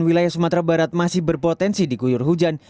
wilayah sumatera barat masih berpotensi diguyur hujan